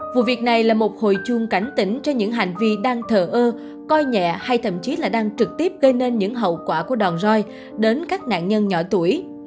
vụ việc này là một hồi chuông cảnh tỉnh cho những hành vi đang thờ ơ coi nhẹ hay thậm chí là đang trực tiếp gây nên những hậu quả của đòn roi đến các nạn nhân nhỏ tuổi